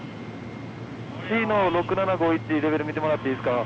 Ｃの６７５１レベル見てもらっていいですか？